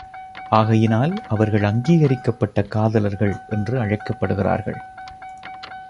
ஆகையினால் அவர்கள் அங்கீகரிக்கப்பட்ட காதலர்கள் என்று அழைக்கப்படுகிறார்கள்.